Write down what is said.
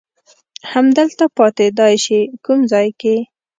همدلته پاتېدای شې، کوم ځای کې؟